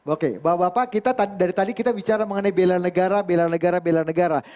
oke bapak bapak kita dari tadi kita bicara mengenai bela negara bela negara bela negara